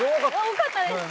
多かったです。